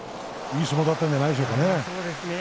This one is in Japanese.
いい相撲だったんではないでしょうか。